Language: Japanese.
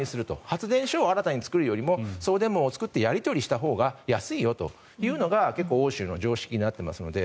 発電所を新たに作るよりも送電網を作ってやり取りしたほうが安いというのが欧州の常識になっていますので。